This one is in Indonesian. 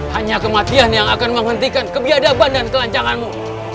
hanya kematian yang akan menghentikan kebiadaban dan kelancanganmu